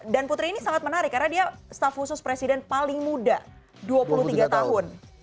dan putri ini sangat menarik karena dia staff khusus presiden paling muda dua puluh tiga tahun